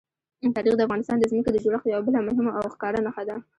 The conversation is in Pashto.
تاریخ د افغانستان د ځمکې د جوړښت یوه بله مهمه او ښکاره نښه ده.